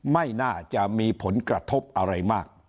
ไม่น่าจะมีผลกระทบอะไรมาก